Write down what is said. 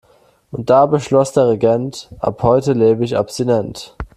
Und da beschloss der Regent: Ab heute lebe ich abstinent.